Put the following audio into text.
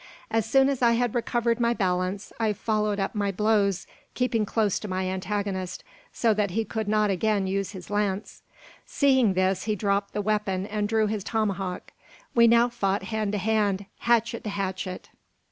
As soon as I had recovered my balance, I followed up my blows, keeping close to my antagonist, so that he could not again use his lance. Seeing this, he dropped the weapon and drew his tomahawk. We now fought hand to hand, hatchet to hatchet!